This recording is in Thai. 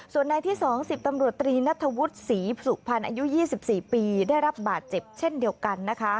ส่วนนายที่๒๑๐ตำรวจตรีนัทวุฒิศรีสุพรรณอายุ๒๔ปีได้รับบาดเจ็บเช่นเดียวกันนะคะ